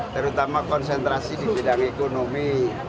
terutama konsentrasi di bidang ekonomi